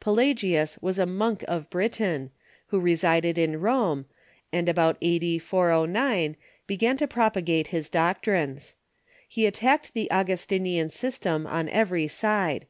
Pelagius was a monk of Britain, who resided in Rome, and about a.d. 409 began to propagate his doctrines. He attacked the Augustinian system on every side.